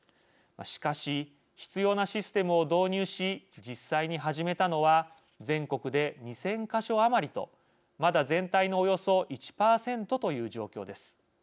しかし、必要なシステムを導入し実際に始めたのは全国で２０００か所余りとまだ全体のおよそ１％という状況です。